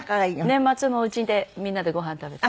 年末もうちでみんなでごはん食べて。